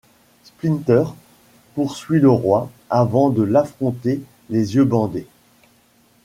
Splinter poursuit le Roi, avant de l’affronter les yeux bandés.